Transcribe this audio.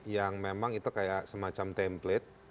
yang memang itu kayak semacam template